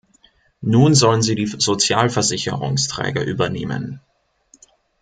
Nun sollen sie die Sozialversicherungsträger übernehmen.